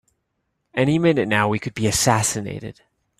Any minute now we could be assassinated!